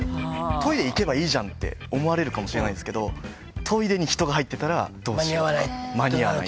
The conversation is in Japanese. トイレ行けばいいじゃんって思われるかもしれないですけど、トイレに人が入ってたらどうしよう、間に合わない。